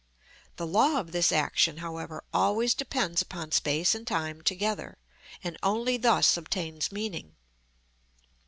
The law of this action, however, always depends upon space and time together, and only thus obtains meaning.